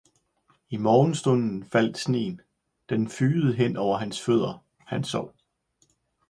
I morgenstunden faldt sneen, den fygede hen over hans fødder, han sov.